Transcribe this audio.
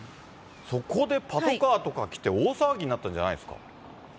そこでパトカーとか来て大騒ぎになったんじゃないですか。